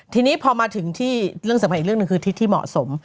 ทีนี้พอมาถึงที่เรื่องสำคัญอีกเรื่องหนึ่งคือทิศที่เหมาะสม